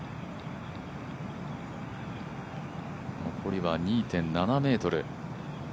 残りは２．７ｍ。